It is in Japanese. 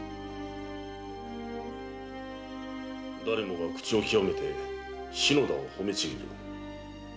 誰もが口を極めて篠田を褒めちぎる。